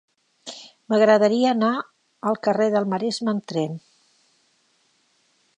M'agradaria anar al carrer del Maresme amb tren.